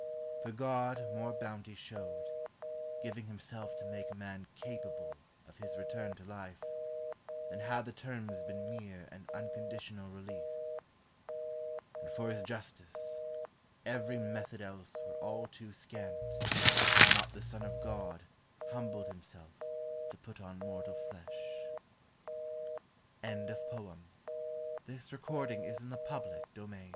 For God more bounty showed, Giving himself to make man capable Of his return to life, than had the terms Been mere and unconditional release. And for his justice, every method else Were all too scant, had not the Son of God Humbled himself to put on mortal f